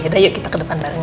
yaudah yuk kita ke depan bareng